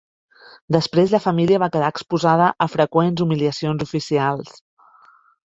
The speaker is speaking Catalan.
Després, la família va quedar exposada a freqüents humiliacions oficials.